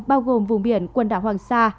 bao gồm vùng biển quần đảo hoàng sa